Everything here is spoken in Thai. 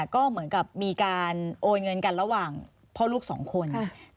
ก็เหมือนกับมีการโอนเงินกันระหว่างพ่อลูกสองคน